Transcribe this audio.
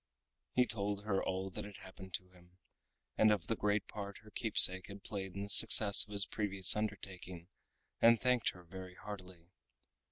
He told her all that had happened to him, and of the great part her keepsake had played in the success of his previous undertaking, and thanked her very heartily.